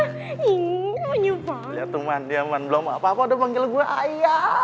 hai ingin menyumbang ya teman teman belum apa apa udah panggil gua ayah